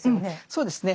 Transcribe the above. そうですね。